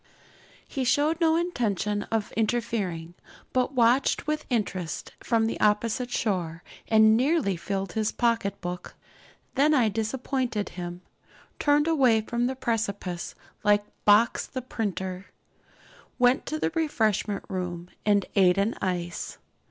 He showed no intention of interfering, but watched with interest from the opposite shore, and nearly filled his pocket book. Then I disappointed him, turned away from the precipice like Box the printer, went to the refreshment room and ate an ice.